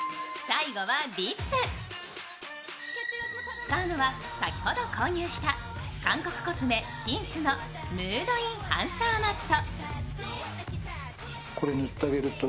使うのは先ほど購入した韓国コスメ・ｈｉｎｃｅのムードインハンサーマット。